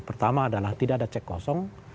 pertama adalah tidak ada cek kosong